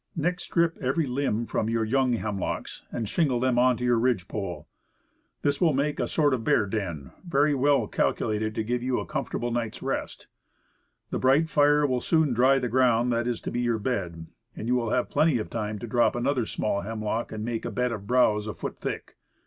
Next, strip every limb from your young hemlocks, and shingle them on to your ridge pole. This will make a sort of bear den, very well calculated to give you a comfortable night's rest. The bright fire will Might in Camp, 29 soon dry the ground that is to be your bed, and you will have plenty of time to drop another small hem lock and make a bed of browse a foot thick.